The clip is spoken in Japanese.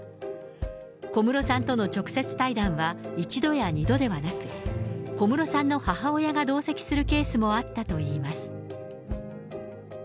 小室さんとの直接対談は１度や２度ではなく、小室さんの母親が同席するケースもあったといいます。